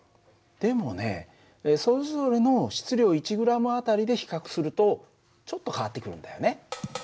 でもねそれぞれの質量１ｇあたりで比較するとちょっと変わってくるんだよね。